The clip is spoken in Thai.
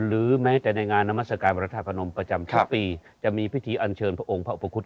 หรือแม้แต่ในงานนมัสการประจำครับถูกปีจะมีพิธีอันเชิญพระองค์พระอุปกรณ์